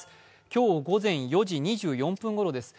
今日午前４時２４分ごろです。